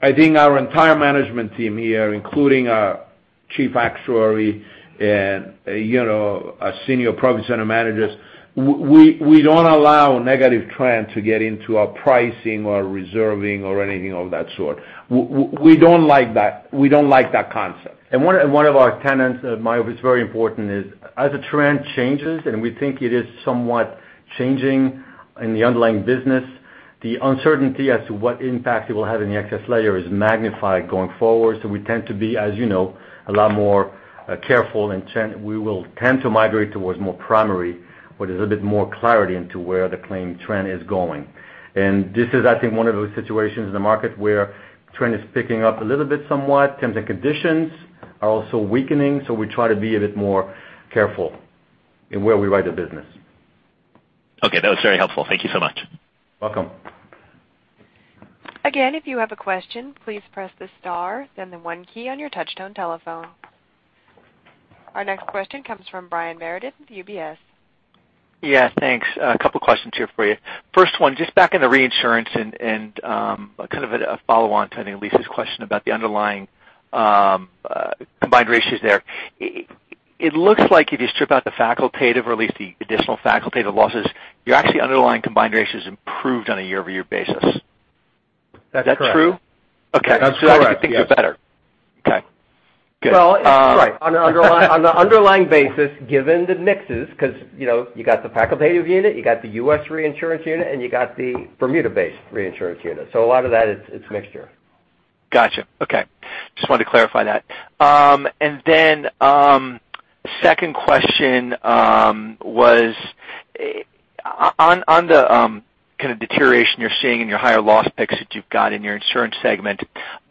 Speaker 7: I think our entire management team here, including our chief actuary and our senior profit center managers, we don't allow negative trend to get into our pricing or reserving or anything of that sort. We don't like that concept.
Speaker 3: One of our tenants, Meyer, what's very important is as the trend changes, and we think it is somewhat changing in the underlying business, the uncertainty as to what impact it will have in the excess layer is magnified going forward. We tend to be, as you know, a lot more careful, and we will tend to migrate towards more primary, where there's a bit more clarity into where the claim trend is going. This is, I think, one of those situations in the market where trend is picking up a little bit somewhat. Terms and conditions are also weakening, so we try to be a bit more careful in where we write the business.
Speaker 7: Okay. That was very helpful. Thank you so much.
Speaker 3: Welcome.
Speaker 1: Again, if you have a question, please press the star, then the one key on your touchtone telephone. Our next question comes from Brian Meredith with UBS.
Speaker 8: Yeah. Thanks. A couple questions here for you. First one, just back in the reinsurance and kind of a follow-on to, I think, Elyse's question about the underlying combined ratios there. It looks like if you strip out the facultative, or at least the additional facultative losses, your actually underlying combined ratios improved on a year-over-year basis.
Speaker 4: That's correct.
Speaker 8: Is that true?
Speaker 4: That's correct, yes. Okay. I think they're better. Okay, good. Well, right. On the underlying basis, given the mixes, because you got the facultative unit, you got the U.S. reinsurance unit, and you got the Bermuda-based reinsurance unit. A lot of that, it's mixture.
Speaker 8: Got you. Okay. Just wanted to clarify that. Then second question was on the kind of deterioration you're seeing in your higher loss picks that you've got in your insurance segment,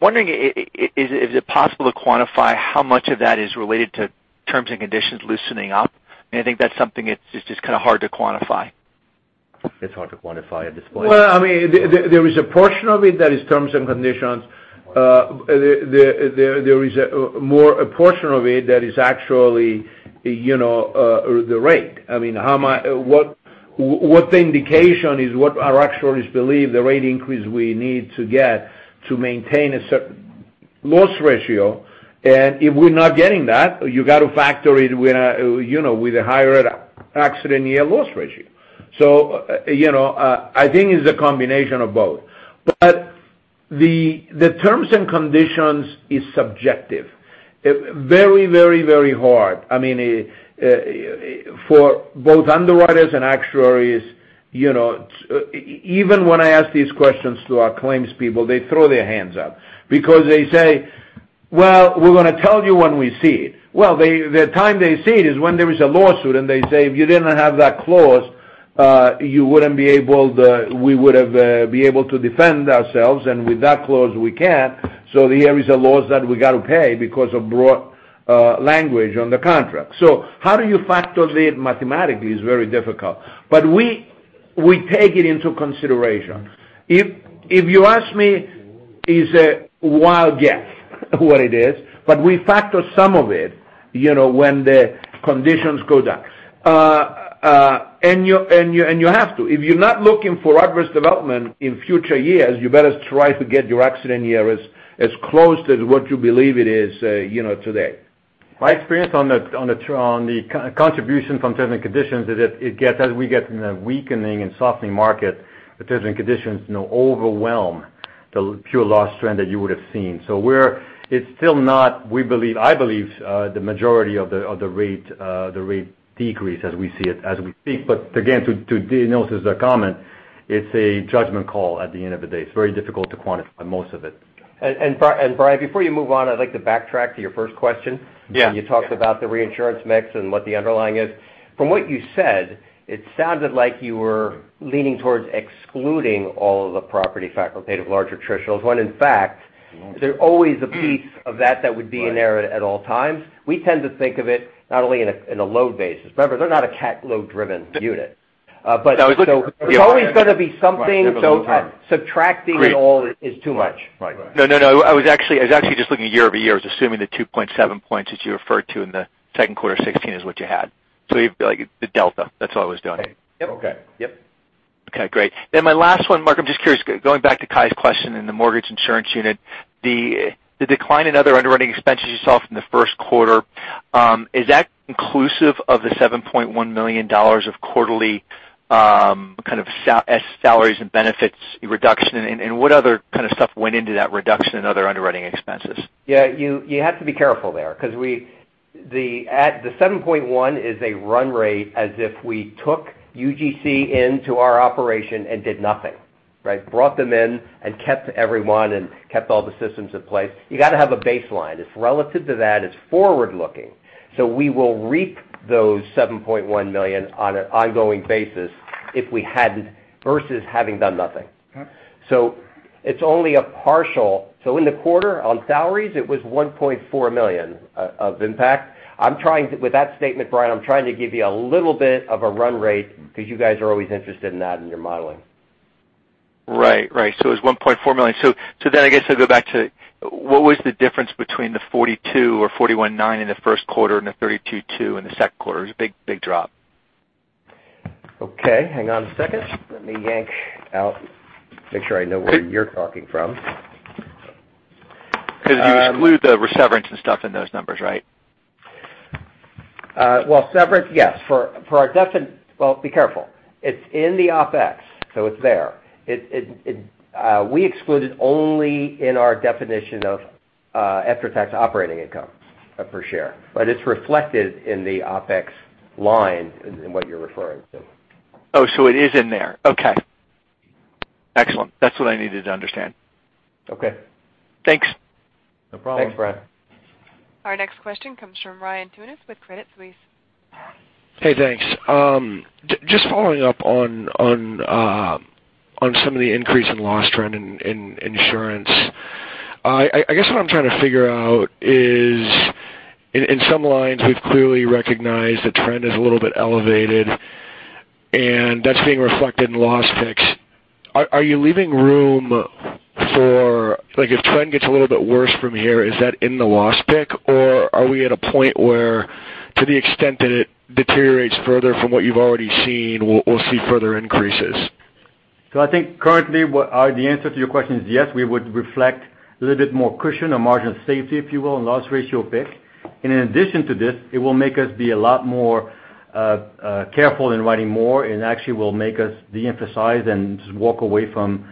Speaker 8: wondering is it possible to quantify how much of that is related to terms and conditions loosening up? I think that's something that's just kind of hard to quantify.
Speaker 3: It's hard to quantify at this point.
Speaker 2: Well, there is a portion of it that is terms and conditions. There is more a portion of it that is actually the rate. What the indication is what our actuaries believe the rate increase we need to get to maintain a certain loss ratio. If we're not getting that, you got to factor it with a higher accident year loss ratio. I think it's a combination of both. The terms and conditions is subjective. Very hard. For both underwriters and actuaries, even when I ask these questions to our claims people, they throw their hands up because they say, "Well, we're going to tell you when we see it." Well, the time they see it is when there is a lawsuit, and they say, if you didn't have that clause we would've be able to defend ourselves. With that clause, we can't. There is a loss that we got to pay because of broad language on the contract. How do you factor it mathematically is very difficult. We take it into consideration. If you ask me, it's a wild guess what it is, but we factor some of it when the conditions go down. You have to. If you're not looking for adverse development in future years, you better try to get your accident year as close to what you believe it is today.
Speaker 3: My experience on the contribution from certain conditions is that as we get in a weakening and softening market, the certain conditions overwhelm the pure loss trend that you would have seen. It's still not, I believe, the majority of the rate decrease as we see it, as we speak. Again, to Dino's comment, it's a judgment call at the end of the day. It's very difficult to quantify most of it.
Speaker 4: Brian, before you move on, I'd like to backtrack to your first question.
Speaker 8: Yeah.
Speaker 4: When you talked about the reinsurance mix and what the underlying is. From what you said, it sounded like you were leaning towards excluding all of the property facultative larger treaty when in fact, there's always a piece of that that would be in there at all times. We tend to think of it not only in a load basis. Remember, they're not a cat load driven unit. There's always going to be something, so subtracting it all is too much.
Speaker 8: Right.
Speaker 3: Right.
Speaker 8: No, I was actually just looking year-over-year. I was assuming the 2.7 points that you referred to in the second quarter 2016 is what you had. Like the delta, that's all I was doing.
Speaker 4: Okay. Yep.
Speaker 8: My last one, Marc, I'm just curious, going back to Kai's question in the mortgage insurance unit, the decline in other underwriting expenses you saw from the first quarter, is that inclusive of the $7.1 million of quarterly kind of salaries and benefits reduction? What other kind of stuff went into that reduction in other underwriting expenses?
Speaker 4: Yeah, you have to be careful there because the $7.1 million is a run rate as if we took UGC into our operation and did nothing. Right? Brought them in and kept everyone and kept all the systems in place. You got to have a baseline. It's relative to that, it's forward-looking. We will reap those $7.1 million on an ongoing basis versus having done nothing.
Speaker 8: Okay.
Speaker 4: It's only a partial. In the quarter, on salaries, it was $1.4 million of impact. With that statement, Brian, I'm trying to give you a little bit of a run rate because you guys are always interested in that in your modeling.
Speaker 8: Right. It was $1.4 million. I guess I'll go back to, what was the difference between the $42 or $41.9 in the first quarter and the $32.2 in the second quarter? It was a big drop.
Speaker 4: Okay, hang on a second. Let me yank out, make sure I know where you're talking from.
Speaker 8: You exclude the severance and stuff in those numbers, right?
Speaker 4: Well, severance, yes. Well, be careful. It's in the OpEx, it's there. We exclude it only in our definition of after-tax operating income per share. It's reflected in the OpEx line in what you're referring to.
Speaker 8: Oh, it is in there. Okay. Excellent. That's what I needed to understand.
Speaker 4: Okay.
Speaker 8: Thanks.
Speaker 4: No problem.
Speaker 3: Thanks, Brian.
Speaker 1: Our next question comes from Ryan Tunis with Credit Suisse.
Speaker 9: Hey, thanks. Just following up on some of the increase in loss trend in insurance. I guess what I'm trying to figure out is in some lines, we've clearly recognized the trend is a little bit elevated, and that's being reflected in loss picks. Are you leaving room for, like if trend gets a little bit worse from here, is that in the loss pick? Are we at a point where to the extent that it deteriorates further from what you've already seen, we'll see further increases?
Speaker 3: I think currently the answer to your question is yes, we would reflect a little bit more cushion, a margin of safety, if you will, in loss ratio pick. In addition to this, it will make us be a lot more careful in writing more and actually will make us de-emphasize and just walk away from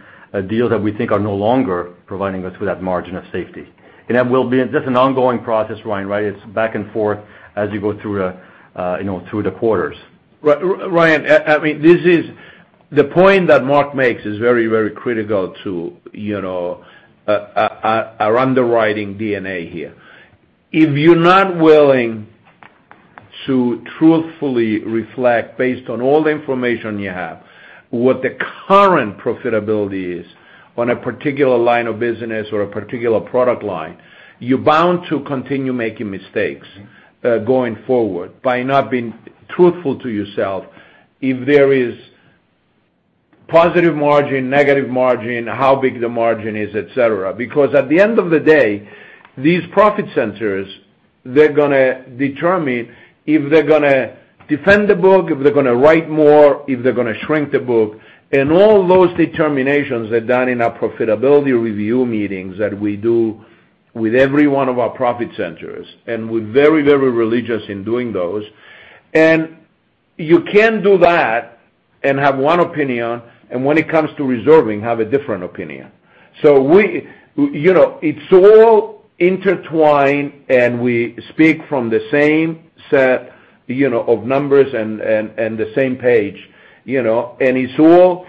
Speaker 3: deals that we think are no longer providing us with that margin of safety. That will be just an ongoing process, Ryan, right? It's back and forth as you go through the quarters.
Speaker 4: Ryan, I mean, the point that Mark makes is very critical to our underwriting DNA here. If you're not willing to truthfully reflect based on all the information you have, what the current profitability is on a particular line of business or a particular product line, you're bound to continue making mistakes going forward by not being truthful to yourself if there is positive margin, negative margin, how big the margin is, et cetera. At the end of the day, these profit centers, they're going to determine if they're going to defend the book, if they're going to write more, if they're going to shrink the book. All those determinations are done in our profitability review meetings that we do with every one of our profit centers. We're very religious in doing those. You can do that and have one opinion, and when it comes to reserving, have a different opinion. It's all intertwined, we speak from the same set of numbers and the same page, it's all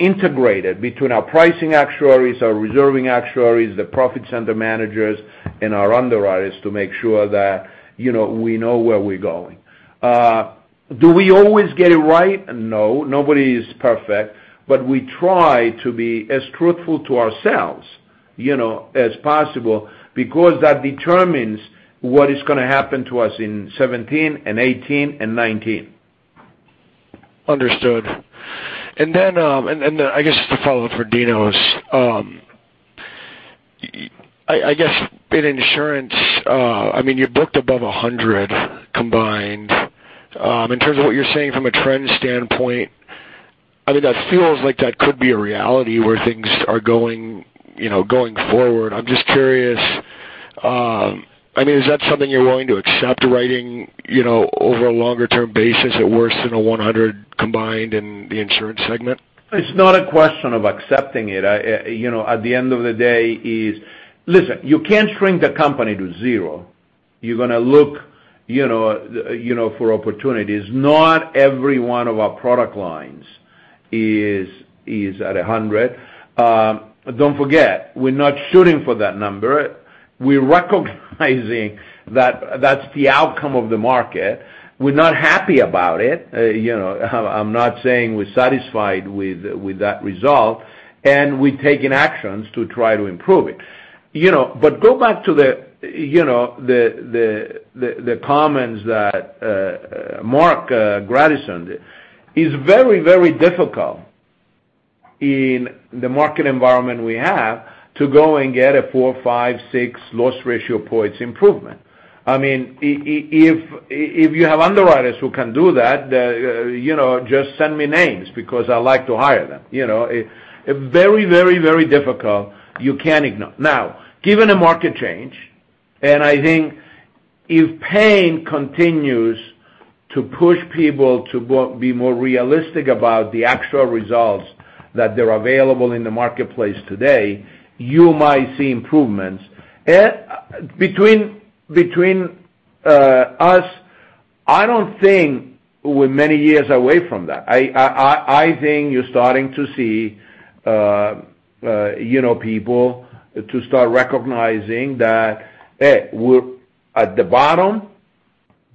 Speaker 4: integrated between our pricing actuaries, our reserving actuaries, the profit center managers, and our underwriters to make sure that we know where we're going. Do we always get it right? No, nobody is perfect, but we try to be as truthful to ourselves as possible because that determines what is going to happen to us in 2017 and 2018 and 2019.
Speaker 9: Understood. I guess just a follow-up for Dinos. I guess in insurance, I mean, you booked above 100% combined. In terms of what you're saying from a trend standpoint I think that feels like that could be a reality where things are going forward. I'm just curious, is that something you're willing to accept, writing over a longer-term basis at worse than a 100% combined in the insurance segment?
Speaker 2: It's not a question of accepting it. At the end of the day, listen, you can't shrink the company to zero. You're going to look for opportunities. Not every one of our product lines is at 100. Don't forget, we're not shooting for that number. We're recognizing that that's the outcome of the market. We're not happy about it. I'm not saying we're satisfied with that result, and we're taking actions to try to improve it. Go back to the comments that Marc Grandisson, is very, very difficult in the market environment we have to go and get a four, five, six loss ratio points improvement. If you have underwriters who can do that, just send me names because I like to hire them. Very, very difficult. You can't ignore. Now, given a market change, and I think if pain continues to push people to be more realistic about the actual results that they're available in the marketplace today, you might see improvements. Between us, I don't think we're many years away from that. I think you're starting to see people to start recognizing that, hey, we're at the bottom,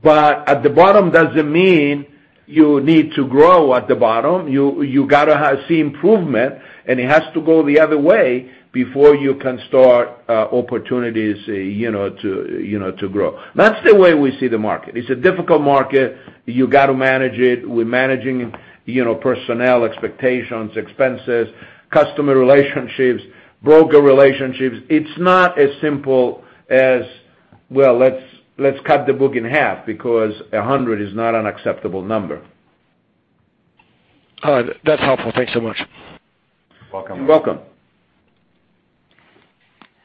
Speaker 2: but at the bottom doesn't mean you need to grow at the bottom. You got to see improvement, and it has to go the other way before you can start opportunities to grow. That's the way we see the market. It's a difficult market. You got to manage it. We're managing personnel expectations, expenses, customer relationships, broker relationships. It's not as simple as, well, let's cut the book in half because 100 is not an acceptable number.
Speaker 9: All right. That's helpful. Thanks so much.
Speaker 2: You're welcome.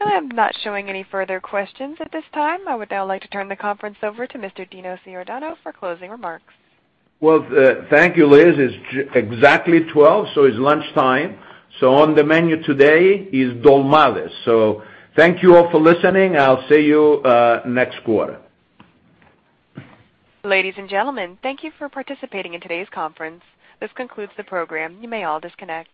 Speaker 1: I'm not showing any further questions at this time. I would now like to turn the conference over to Mr. Dinos Iordanou for closing remarks.
Speaker 2: Well, thank you, Liz. It's exactly 12:00, so it's lunchtime. On the menu today is dolmades. Thank you all for listening. I'll see you next quarter.
Speaker 1: Ladies and gentlemen, thank you for participating in today's conference. This concludes the program. You may all disconnect.